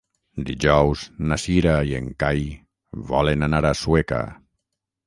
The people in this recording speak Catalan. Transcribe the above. Dijous na Cira i en Cai volen anar a Sueca.